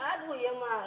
aduh ya ma